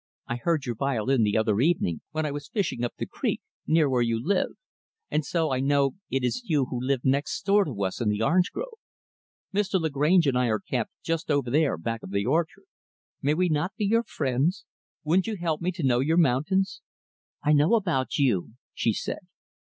"I heard your violin, the other evening, when I was fishing up the creek, near where you live; and so I know it is you who live next door to us in the orange grove. Mr. Lagrange and I are camped just over there back of the orchard. May we not be friends? Won't you help me to know your mountains?" "I know about you," she said.